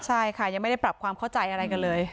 ใช่ค่ะยังไม่ได้ปรับความเข้าใจอะไรกันเลย